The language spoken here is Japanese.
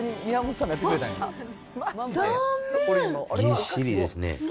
ぎっしりですね。